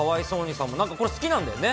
さん、なんかこれ好きなんだよね。